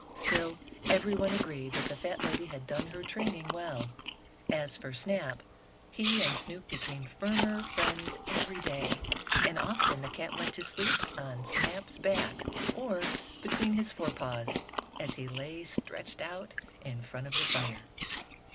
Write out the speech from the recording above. Still everyone agreed that the fat lady had done her training well. As for Snap, he and Snoop became firmer friends every day, and often the cat went to sleep on Snap's back, or between his forepaws as he lay stretched out in front of the fire.